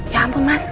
ya ampun mas